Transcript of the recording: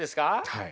はい。